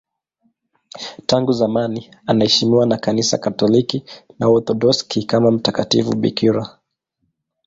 Tangu zamani anaheshimiwa na Kanisa Katoliki na Waorthodoksi kama mtakatifu bikira.